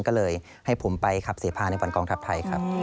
ก็เลยให้ผมไปขับเสพาในวันกองทัพไทยครับ